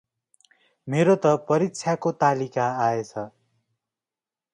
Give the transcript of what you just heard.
मेरो त परीक्षाको तालिका आएछ।